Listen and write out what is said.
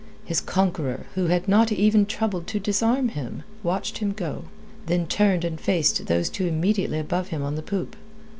His conqueror, who had not even troubled to disarm him, watched him go, then turned and faced those two immediately above him on the poop.